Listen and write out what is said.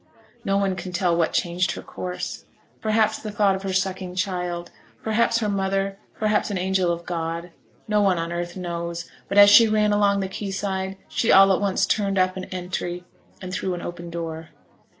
No one can tell what changed her course; perhaps the thought of her sucking child; perhaps her mother; perhaps an angel of God; no one on earth knows, but as she ran along the quay side she all at once turned up an entry, and through an open door.